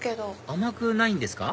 甘くないんですか？